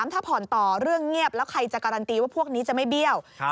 ถ้าผ่อนต่อเรื่องเงียบแล้วใครจะการันตีว่าพวกนี้จะไม่เบี้ยว